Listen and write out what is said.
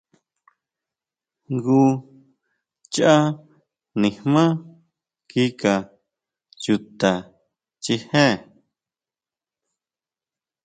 Jngu cháʼ nijmá kika chuta chijé.